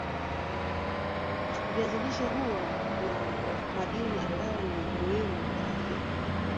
viazi lishe huwa na madini ambayo ni muhimu kwa afya